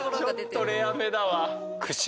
ちょっとレアめだわ。